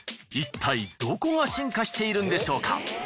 いったいどこが進化しているんでしょうか？